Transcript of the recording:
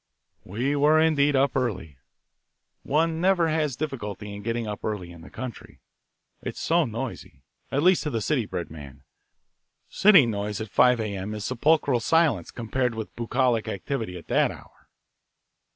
We were, indeed, up early. One never has difficulty in getting up early in the country: it is so noisy, at least to a city bred man. City noise at five A.M. is sepulchral silence compared with bucolic activity at that hour.